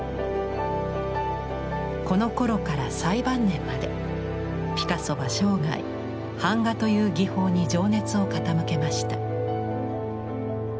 このころから最晩年までピカソは生涯版画という技法に情熱を傾けました。